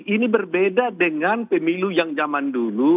ini berbeda dengan pemilu yang zaman dulu